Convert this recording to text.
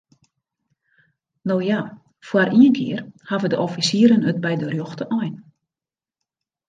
No ja, foar ien kear hawwe de offisieren it by de rjochte ein.